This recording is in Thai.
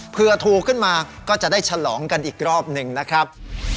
เพื่อถูกขึ้นมาก็จะได้ฉลองกันอีกรอบหนึ่งนะครับ